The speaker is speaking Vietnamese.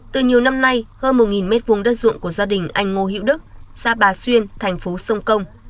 từ nhiều năm nay hơn một mét vuông đất ruộng của gia đình anh ngô hiệu đức xã bà xuyên thành phố sông công